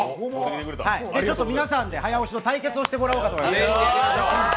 皆さんで早押しの対決をしていただこうかと思います。